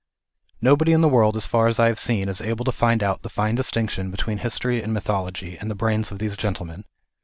Nobody in the world as far as I have seen is able to find out the fine distinction between history and mythology in the brains of these gentlemen.